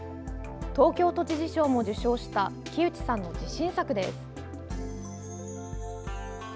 東京都知事賞も受賞した木内さんの自信作です。